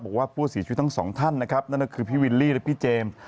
บอกว่าผู้เสียชีวิตทั้งสองท่านนะครับนั่นก็คือพี่วิลลี่และพี่เจมส์